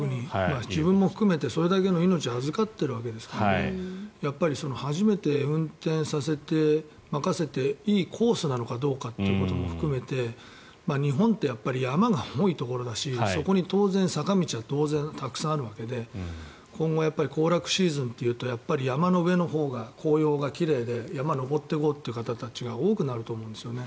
自分も含めて、それだけの命を預かっているわけだからやっぱり初めて運転させて任せていいコースなのかどうかということも含めて日本ってやっぱり山が多いところだしそこに当然坂道は当然たくさんあるわけで今後、行楽シーズンというとやっぱり山の上のほうが紅葉が奇麗で山を登っていこうっていう方たちが多くなってくると思うんですよね。